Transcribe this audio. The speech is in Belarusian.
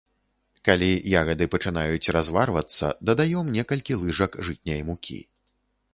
Калі ягады пачынаюць разварвацца, дадаём некалькі лыжак жытняй мукі.